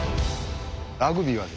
ラグビーはですね